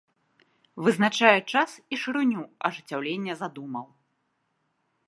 Вызначае час і шырыню ажыццяўлення задумаў.